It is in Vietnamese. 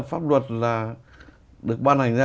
pháp luật là được ban hành ra